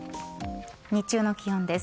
日中の気温です。